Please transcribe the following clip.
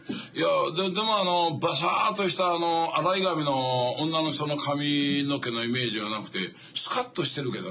でもバサッとした洗い髪の女の人の髪の毛のイメージじゃなくてスカッとしてるけどな。